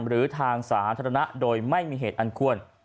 หรือทางสาธารณะโดยไม่มีเหตุอันควร